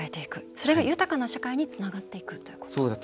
それが豊かな社会につながっていくということ。